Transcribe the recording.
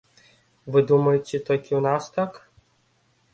Вы думаеце, толькі ў нас так?